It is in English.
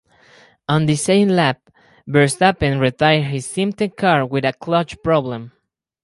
On the same lap, Verstappen retired his Simtek car with a clutch problem.